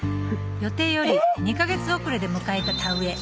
［予定より２カ月遅れで迎えた田植え］